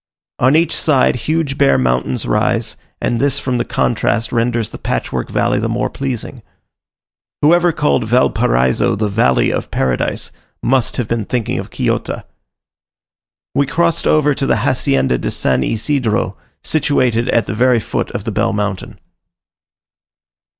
On each side huge bare mountains rise, and this from the contrast renders the patchwork valley the more pleasing. Whoever called "Valparaiso" the "Valley of Paradise," must have been thinking of Quillota. We crossed over to the Hacienda de San Isidro, situated at the very foot of the Bell Mountain.